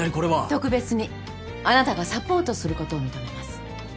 特別にあなたがサポートすることを認めます。